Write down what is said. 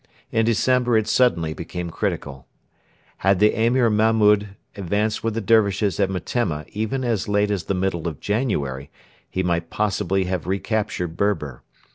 In December it suddenly became critical. Had the Emir Mahmud advanced with the Dervishes at Metemma even as late as the middle of January, he might possibly have re captured Berber.